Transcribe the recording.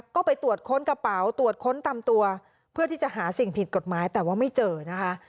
ก็ไปตรวจค้นกระเป๋าตรวจค้นตามตัวเพื่อที่จะหาสิ่งผิดกฎหมายแต่ว่าไม่เจอนะคะ